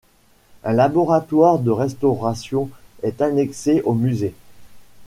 Un laboratoire de restauration est annexé au musée.